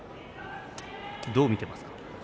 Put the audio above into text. どう見ていますか？